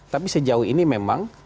tapi sejauh ini memang